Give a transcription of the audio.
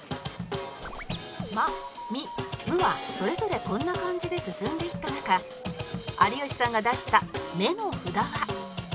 「ま」「み」「む」はそれぞれこんな感じで進んでいった中有吉さんが出した「め」の札は